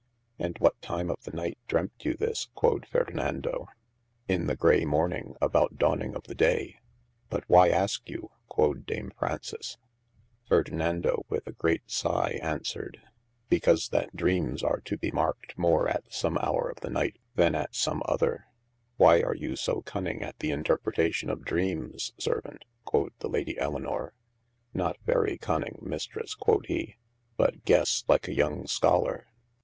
And what time of the night dreamt you this quod Fardinando ? In the grey morning about dawning of the day, but why aske you quod Dame Frances ? Ferdenando with a great sigh answered, because that dreames are to bee marked more at some hower of the night, then at some other ? why are you so cunning at the interpretation of dreames servaunt ? (quod the Ladye Elinor) : not very conning Mistres quod he, but gesse like a young scholler.